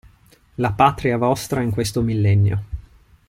La Patria vostra in questo millennio.